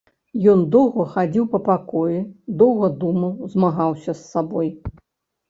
Ён доўга хадзіў па пакоі, доўга думаў, змагаўся з сабой.